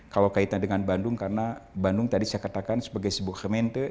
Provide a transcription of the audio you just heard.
kalau kaitannya dengan bandung karena bandung tadi saya katakan sebagai sebuah kementer